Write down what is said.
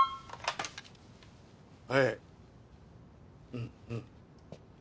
うんうん。